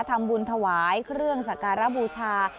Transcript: ทำบุญถวายเครื่องสักการะบูชา